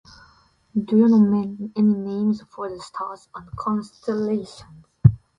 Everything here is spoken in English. Do you like know any names for the stars and constellation?